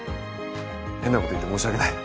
変なこと言って申し訳ない。